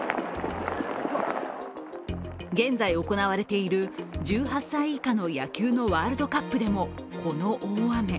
現在行われている１８歳以下の野球のワールドカップかでも、この大雨。